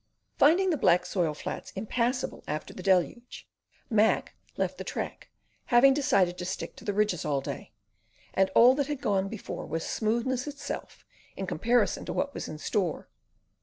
Finding the black soil flats impassable after the deluge, Mac left the track, having decided to stick to the ridges all day; and all that had gone before was smoothness itself in comparison to what was in store.